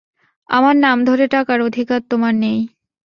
আমার নাম ধরে ডাকার অধিকার তোমার নেই!